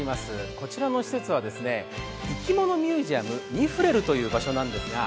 こちらの施設は生き物ミュージアム、ニフレルという場所です。